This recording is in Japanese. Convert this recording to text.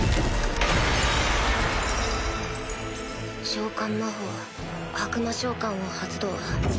召喚魔法悪魔召喚を発動。